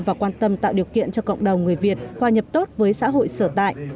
và quan tâm tạo điều kiện cho cộng đồng người việt hòa nhập tốt với xã hội sở tại